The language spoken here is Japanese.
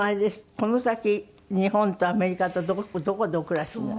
この先日本とアメリカとどこでお暮らしになるんですか？